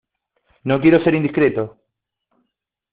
no quiero ser indiscreto